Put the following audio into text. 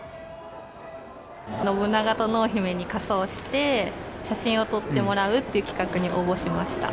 信長と濃姫に仮装して、写真を撮ってもらうっていう企画に応募しました。